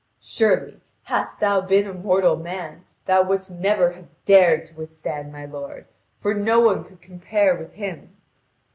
Surely, hadst thou been a mortal man, thou wouldst never have dared to withstand my lord, for no one could compare with him."